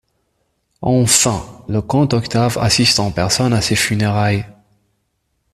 Enfin, le comte Octave assiste en personne à ses funérailles.